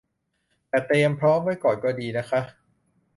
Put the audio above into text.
แต่เตรียมพร้อมไว้ก่อนก็ดีนะคะ